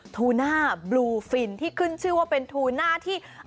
ทูน่าบลูฟินที่ขึ้นชื่อว่าเป็นทูน่าที่